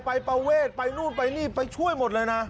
ประเวทไปนู่นไปนี่ไปช่วยหมดเลยนะ